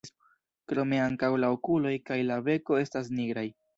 Krome ankaŭ la okuloj kaj la beko estas nigraj.